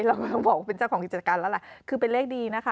เราก็ต้องบอกว่าเป็นเจ้าของกิจการแล้วล่ะคือเป็นเลขดีนะคะ